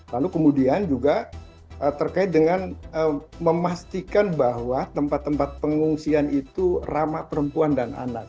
lalu kemudian juga terkait dengan memastikan bahwa tempat tempat pengungsian itu ramah perempuan dan anak